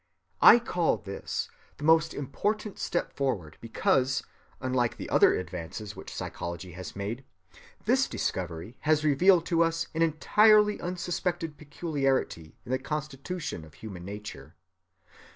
I call this the most important step forward because, unlike the other advances which psychology has made, this discovery has revealed to us an entirely unsuspected peculiarity in the constitution of human nature.